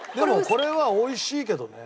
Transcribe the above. これは美味しいけどね」